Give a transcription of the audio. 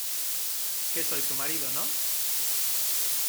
que soy tu marido, ¿ no?